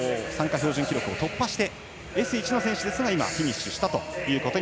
標準記録を突破してＳ１のクラスですが今、フィニッシュしました